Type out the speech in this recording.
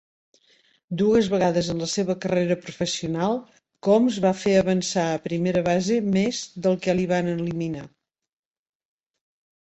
Dues vegades en la seva carrera professional Combs va fer avançar a primera base més del que li van eliminar.